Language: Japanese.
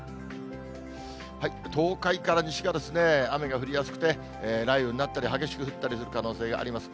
東海から西が雨が降りやすくて、雷雨になったり、激しく降ったりする可能性があります。